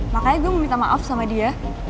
makanya gue mau minta maaf sama dia